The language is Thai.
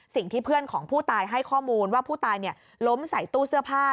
สิ่งที่เพื่อนของผู้ตายให้ข้อมูลว่าผู้ตายล้มใส่ตู้เสื้อผ้า